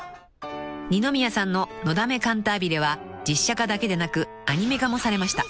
［二ノ宮さんの『のだめカンタービレ』は実写化だけでなくアニメ化もされました］